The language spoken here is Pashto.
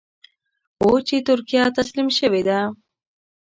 اوس چې ترکیه تسلیم شوې ده.